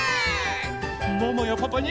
ママやパパに。